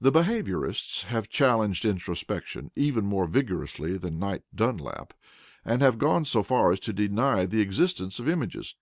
The behaviourists have challenged introspection even more vigorously than Knight Dunlap, and have gone so far as to deny the existence of images.